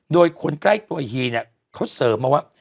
โดยคนใกล้ตัวเฮีเนี่ยเขาเสริมมาว่า